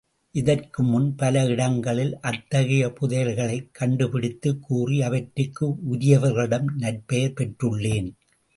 இதற்குமுன் பல இடங்களில் அத்தகைய புதையல்களைக் கண்டுபிடித்துக் கூறி அவற்றுக்கு உரியவர்களிடம் நற்பெயர் பெற்றுள்ளேன்.